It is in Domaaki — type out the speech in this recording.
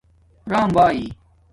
رام بائئ